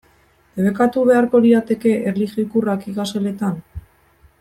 Debekatu beharko lirateke erlijio ikurrak ikasgeletan?